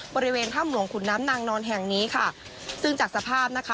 บริเวณถ้ำหลวงขุนน้ำนางนอนแห่งนี้ค่ะซึ่งจากสภาพนะคะ